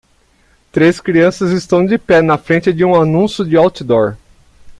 Três crianças estão de pé na frente de um anúncio de outdoor.